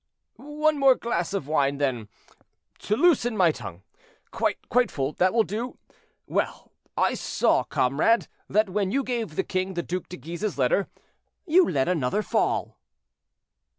"One more glass of wine, then, to loosen my tongue. Quite full; that will do. Well, I saw, comrade, that when you gave the king the Duc de Guise's letter, you let another fall."